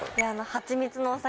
ハチミツのお酒